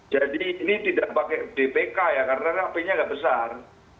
jadi ini tidak pakai dpk ya karena apinya tidak besar